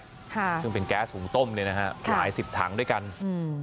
ค่ะซึ่งเป็นแก๊สหุงต้มเนี้ยนะฮะหลายสิบถังด้วยกันอืม